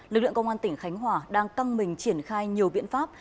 lực lượng công an tỉnh khánh hòa đang căng mình triển khai nhiều biện pháp